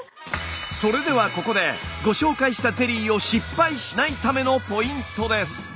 それではここでご紹介したゼリーを失敗しないためのポイントです。